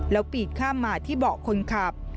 แล้วปีดข้ามมาที่เบาะคนขับ